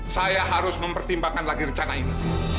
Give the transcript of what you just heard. saya harus mempertimbangkan lagi rencana ini